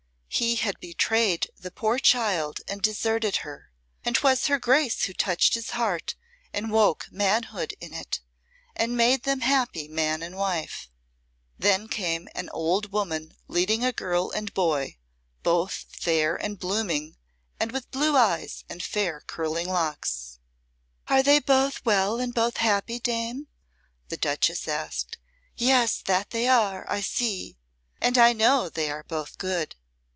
He had betrayed the poor child and deserted her, and 'twas her Grace who touched his heart and woke manhood in it, and made them happy man and wife." Then came an old woman leading a girl and boy, both fair and blooming and with blue eyes and fair curling locks. "Are they both well and both happy, dame?" the Duchess asked. "Yes, that they are, I see. And I know they are both good."